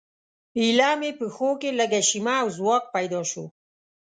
ایله مې پښو کې لږه شیمه او ځواک پیدا شو.